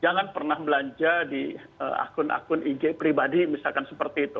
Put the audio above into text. jangan pernah belanja di akun akun ig pribadi misalkan seperti itu